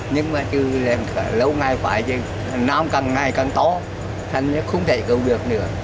nhưng mà lâu ngày phải năm càng ngày càng to thành ra không thể cấp được nữa